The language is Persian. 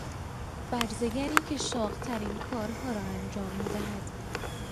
برزگری که شاقترین کارها را انجام میدهد